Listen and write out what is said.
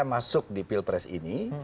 masuk di pilpres ini